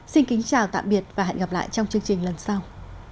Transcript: xin kính chào tạm biệt và hẹn gặp lại trong chương trình lần sau